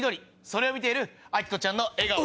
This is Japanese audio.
それを見ているアキコちゃんの笑顔。